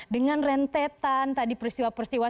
dengan rentetan tadi peristiwa peristiwa